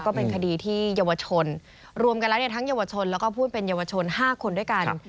ก็เป็นคดีที่เยาวชนรวมกันแล้วเนี่ยทั้งเยาวชนแล้วก็ผู้เป็นเยาวชน๕คนด้วยกัน